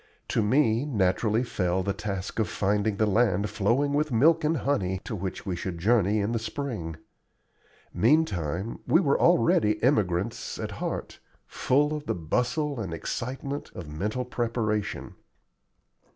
To me naturally fell the task of finding the land flowing with milk and honey to which we should journey in the spring. Meantime we were already emigrants at heart, full of the bustle and excitement of mental preparation.